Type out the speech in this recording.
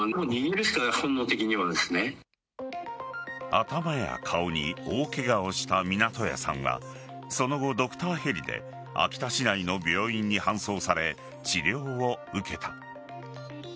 頭や顔に大ケガをした湊屋さんはその後、ドクターヘリで秋田市内の病院に搬送され治療を受けた。